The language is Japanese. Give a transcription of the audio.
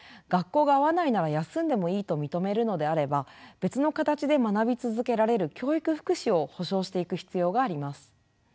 学校が合わないなら休んでもいいと認めるのであれば別の形で学び続けられる教育福祉を保障していく必要があります。